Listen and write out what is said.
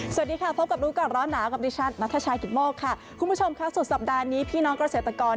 สวัสดีค่ะพบกับรู้ก่อนร้อนหนาคุณผู้ชมค่ะสุดสัปดาห์นี้พี่น้องเกษตรกร